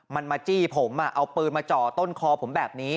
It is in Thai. มันมาจี้ผมเอาปืนมาจ่อต้นคอผมแบบนี้